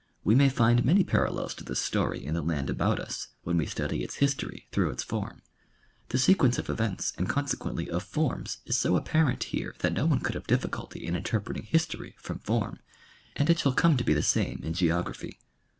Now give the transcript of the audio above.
We may find many parallels to this story in the land about us, when we study its history through its form. The sequence of events and conse quently of forms is so apparent here that no one could have difficulty in interpreting history from form, and it shall come to be the same in geography.